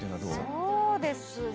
そうですね。